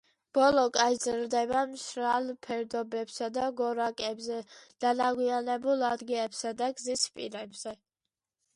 ბოლოკა იზრდება მშრალ ფერდობებსა და გორაკებზე, დანაგვიანებულ ადგილებსა და გზის პირებზე.